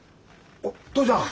父ちゃん！